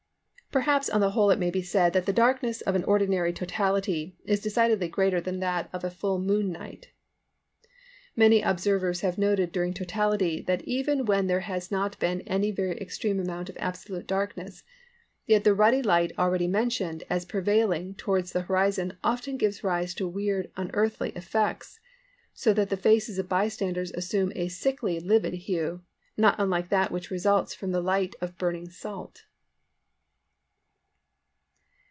Perhaps on the whole it may be said that the darkness of an ordinary totality is decidedly greater than that of a full Moon night. Many observers have noted during totality that even when there has not been any very extreme amount of absolute darkness, yet the ruddy light already mentioned as prevailing towards the horizon often gives rise to weird unearthly effects, so that the faces of bystanders assume a sickly livid hue not unlike that which results from the light of burning salt.